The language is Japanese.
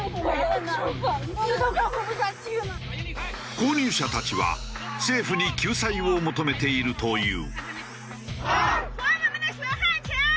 購入者たちは政府に救済を求めているという。